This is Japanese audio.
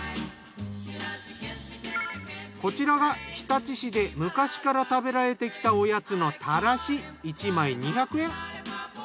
こちらが日立市で昔から食べられてきたおやつのたらし１枚２００円。